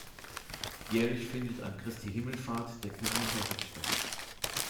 Jährlich findet an Christi Himmelfahrt der Gymnicher Ritt statt.